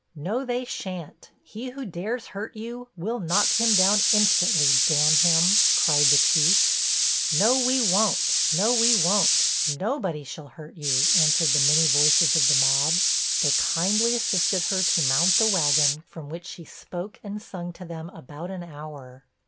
'No, they sha'n't he who dares hurt you, we'll knock him down instantly, d n him,' cried the chiefs. 'No we won't, no we won't, nobody shall hurt you,' answered the many voices of the mob. They kindly assisted her to mount the wagon, from which she spoke and sung to them about an hour.